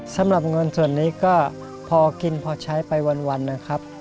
สำหรับเงินส่วนนี้ก็พอกินพอใช้ไปวันนะครับ